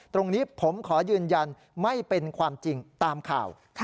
ตรงนี้ผมขอยืนยันไม่เป็นความจริงตามข่าว